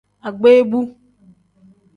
Agbeebu.